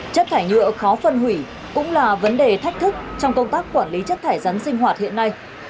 chất thải nhựa khó phân hủy cũng là vấn đề thách thức trong công tác quản lý chất thải rắn sinh hoạt hiện nay